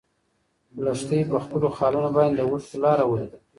لښتې په خپلو خالونو باندې د اوښکو لاره ولیده.